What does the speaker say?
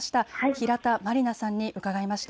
平田真里奈さんに伺いました。